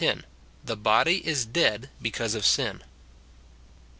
10 :" The body is dead because of sin."